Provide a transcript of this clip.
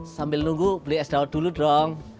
sambil nunggu beli es dawet dulu dong